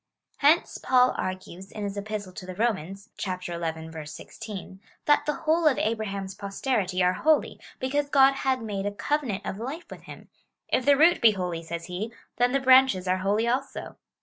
Hence Paul argues, in his Epistle to the Romans, (xi. 16,) that the whole of Abraham's posterity are holy, because God had made a covenant of life with him — If the root he holy, says he, then the br^anches are holy also.